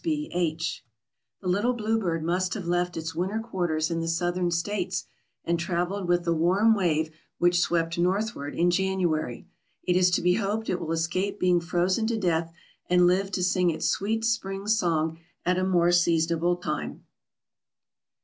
S. B. H. The little bluebird must have left its winter quarters in the Southern States, and travelled with the warm wave which swept northward in January. It is to be hoped it will escape being frozen to death, and live to sing its sweet spring song at a more seasonable time.